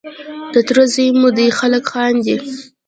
د تره زوی مو دی خلک خاندي.